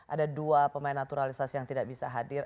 ada dua pemain naturalisasi yang tidak bisa hadir